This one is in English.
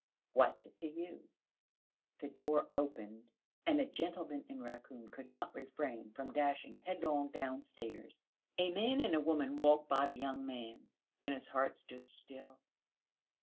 "What's that to you?" The door opened, and the gentleman in raccoon could not refrain from dashing headlong downstairs. A man and a woman walked by the young man, and his heart stood still....